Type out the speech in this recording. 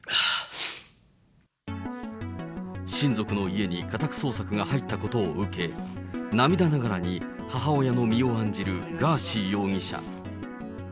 親族の家に家宅捜索が入ったことを受け、涙ながらに母親の身を案じるガーシー容疑者。